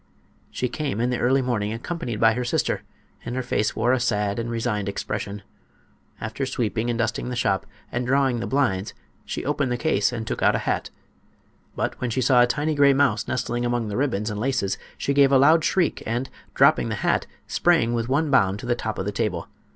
She came in the early morning, accompanied by her sister, and her face wore a sad and resigned expression. After sweeping and dusting the shop and drawing the blinds she opened the glass case and took out a hat. But when she saw a tiny gray mouse nestling among the ribbons and laces she gave a loud shriek, and, dropping the hat, sprang with one bound to the top of the table.